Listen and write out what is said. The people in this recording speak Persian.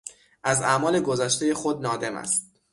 از اعمال گذشتهی خود نادم است.